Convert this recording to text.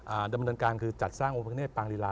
อ่าดำเนินการคือจัดสร้างองค์เฟคเนสปางลิรา